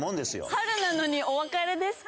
「春なのにお別れですか」